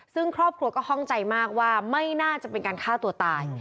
ซึ่งครอบครัวก็ข้องใจมากว่าไม่น่าจะเป็นการฆ่าตัวตาย